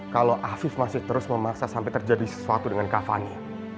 kalau afif masih terus memaksa sampai terjadi sesuatu dengan kavania